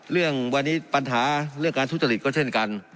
เรื่องวันนี้ปัญหาเรื่องการทุจริตก็เช่นกัน